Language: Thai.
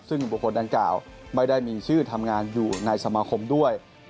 ซึ่งบุคคลดังกล่าวไม่ได้มีชื่อทำงานอยู่ในสมาคมด้วย